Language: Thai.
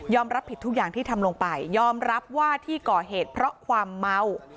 รับผิดทุกอย่างที่ทำลงไปยอมรับว่าที่ก่อเหตุเพราะความเมา